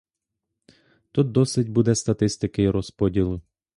Тут досить буде статистики й розподілу.